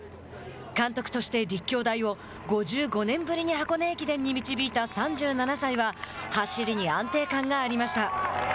監督として立教大を５５年ぶりに箱根駅伝に導いた３７歳は走りに安定感がありました。